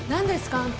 あんた。